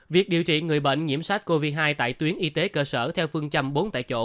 việc điều trị người bệnh nhiễm sát covid một mươi chín tại tuyến y tế cơ sở theo phương châm bốn tại chỗ